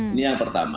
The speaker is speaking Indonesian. ini yang pertama